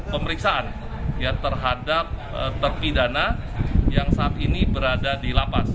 pemeriksaan terhadap terpidana yang saat ini berada di lapas